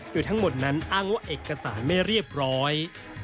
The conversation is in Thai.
โดยทั้งหมดนั้นอ้างว่าเอกสารไม่เรียบร้อย